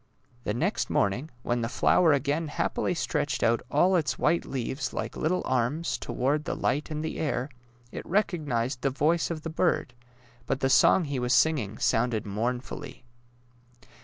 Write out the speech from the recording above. The next morning, when the flower again happily stretched out all its white leaves like little arms toward the light and the air, it rec ognized the voice of the bird, but the song he was singing sounded mournfully.